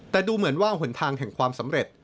แต่ดูเหมือนว่าหนทางแห่งความสำเร็จ